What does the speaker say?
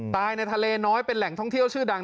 ในทะเลน้อยเป็นแหล่งท่องเที่ยวชื่อดัง